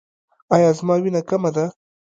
ایا زما وینه کمه ده؟